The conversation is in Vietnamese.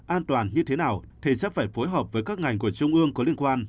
an toàn như thế nào thì sẽ phải phối hợp với các ngành của trung ương có liên quan